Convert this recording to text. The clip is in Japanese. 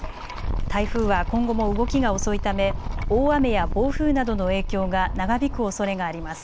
台風は今後も動きが遅いため大雨や暴風などの影響が長引くおそれがあります。